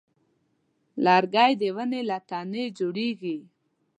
لرګی د ونې له تنه جوړېږي.